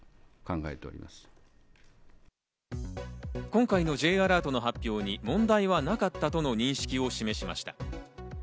今回のＪアラートの発表に問題はなかったとの認識を示しました。